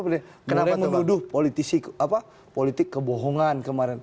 mulai menuduh politik kebohongan kemarin